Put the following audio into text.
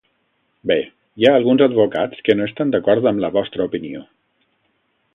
Bé, hi ha alguns advocats que no estan d’acord amb la vostra opinió.